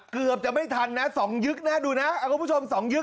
เกือบจะไม่ทันน่ะสองยึกน่ะดูน่ะอะคุณผู้ชมสองยึก